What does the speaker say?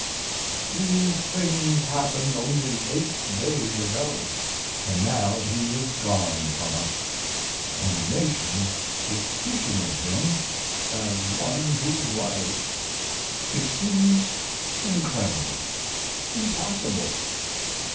These things happened only eight days ago, and now he is gone from us, and the nation is speaking of him as one who was. It seems incredible, impossible.